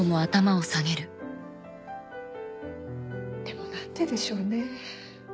でも何ででしょうね。